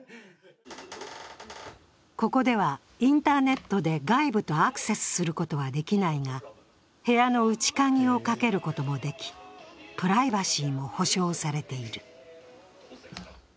ここではインターネットで外部とアクセスすることはできないが部屋の内鍵をかけることもでき、プライバシーも保障されている。